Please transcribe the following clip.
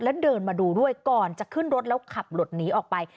แล้วเดินมาดูด้วยก่อนจะขึ้นรถแล้วขับหลบหนีออกไป